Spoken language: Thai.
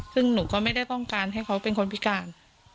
ซึ่งหนูก็ไม่ได้ต้องการให้เขาเป็นคนพิการ